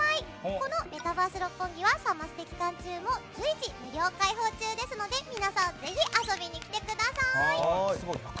このメタバース六本木はサマステ期間中も随時、無料開放中ですので皆さん、ぜひ遊びに来てください。